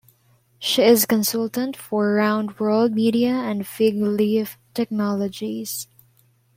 She is consultant for Round World Media and Fig Leaf Technologies.